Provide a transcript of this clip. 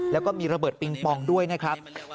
แล้วก็มีระเบิดปิงปองด้วยนะครับ